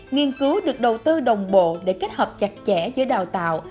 nghiên cứu được đầu tư đồng bộ để kết hợp chặt chẽ giữa đào tạo